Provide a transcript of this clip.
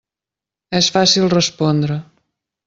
És fàcil respondre.